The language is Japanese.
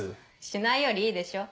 しないよりいいでしょ？